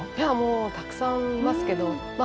たくさんいますけど。